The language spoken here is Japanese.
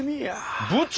部長！